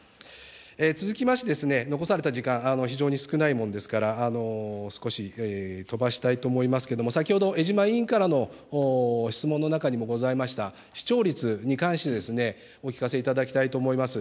続きまして、残された時間、非常に少ないもんですから、少し飛ばしたいと思いますけれども、先ほど江島委員からの質問の中にもございました視聴率に関してお聞かせいただきたいと思います。